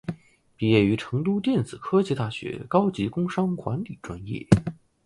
毕业于成都电子科技大学高级工商管理专业。